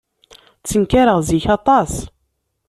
Ttenkareɣ zik aṭas.